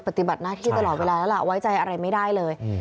ปฏิบัติหน้าที่ตลอดเวลาแล้วล่ะไว้ใจอะไรไม่ได้เลย